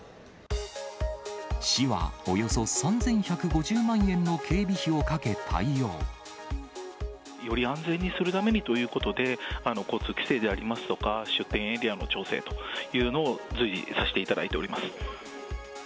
市はおよそ３１５０万円の警備費をかけ対応。より安全にするためにということで、交通規制でありますとか、出店エリアの調整というのを、随時させていただいております。